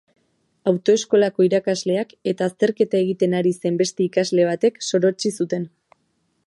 Autoeskolako irakasleak eta azterketa egiten ari zen beste ikasle batek sorotsi zuten.